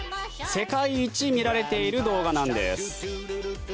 世界一見られている動画なんです。